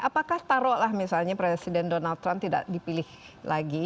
apakah taruhlah misalnya presiden donald trump tidak dipilih lagi